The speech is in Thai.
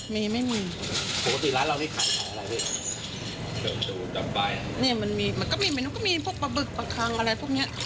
นี่มันมีมันก็มีมันก็มีมันก็มีพวกปลาบึกปลาคังอะไรพวกเนี้ย